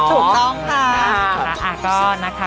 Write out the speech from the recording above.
ถูกต้องค่ะ